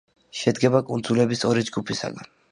შედგება კუნძულების ორი ჯგუფისაგან.